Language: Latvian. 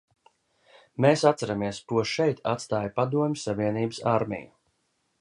Mēs atceramies, ko šeit atstāja Padomju Savienības armija.